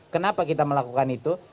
kenapa kita melakukan itu